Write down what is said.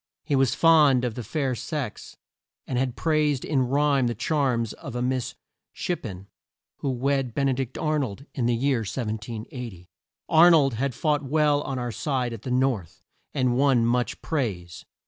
He was fond of the fair sex and had praised in rhyme the charms of a Miss Ship pen who wed Ben e dict Ar nold in the year 1780. Ar nold had fought well on our side at the north, and won much praise.